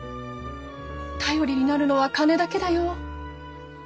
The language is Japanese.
頼りになるのは金だけだよ。